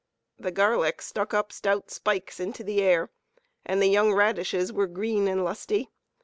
The garlic stuck up stout spikes into the air, and the young radishes were green and lusty.